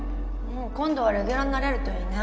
もう今度はレギュラーになれるといいね。